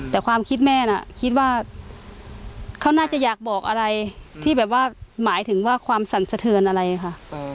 แต่ความคิดแม่น่ะคิดว่าเขาน่าจะอยากบอกอะไรที่แบบว่าหมายถึงว่าความสั่นสะเทือนอะไรค่ะ